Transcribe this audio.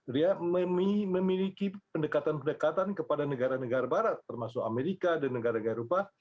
dia memiliki pendekatan pendekatan kepada negara negara barat termasuk amerika dan negara negara eropa